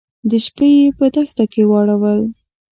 د شپې يې په دښته کې واړول.